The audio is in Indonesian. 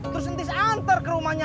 terus entis antar ke rumahnya